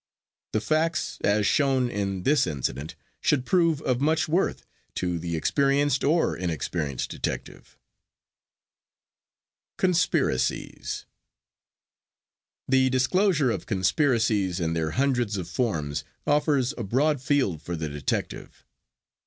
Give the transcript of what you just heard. The facts as shown in this incident should prove of much worth to the experienced or inexperienced detective. CONSPIRACIES The disclosure of conspiracies in their hundreds of forms offers a broad field for the detective.